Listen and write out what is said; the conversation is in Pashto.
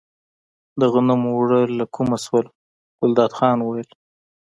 د غنمو اوړه له کومه شول، ګلداد خان وویل.